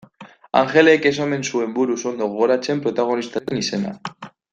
Anjelek ez omen zuen buruz ondo gogoratzen protagonistaren izena.